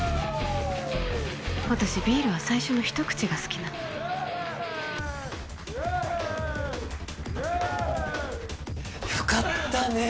私ビールは最初の一口が好きなのよかったね